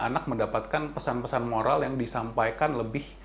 anak mendapatkan pesan pesan moral yang disampaikan lebih